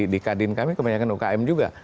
di kadin kami kebanyakan ukm juga